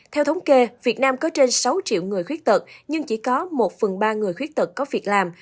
theo thống kê việt nam có trên sáu triệu người khuyết tật nhưng chỉ có một phần ba người khuyết tật có việc làm